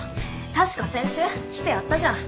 確か先週来てやったじゃん。